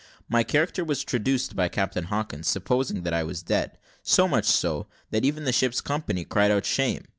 My character was traduced by Captain Hawkins, supposing that I was dead; so much so, that even the ship's company cried out shame.